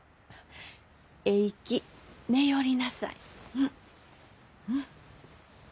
えいき寝よりなさい。